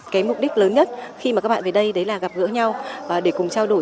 cái mục đích lớn nhất khi mà các bạn về đây đấy là gặp gỡ nhau để cùng trao đổi